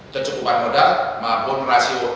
kecukupan modal maupun rasio